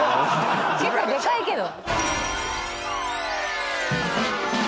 結構でかいけど。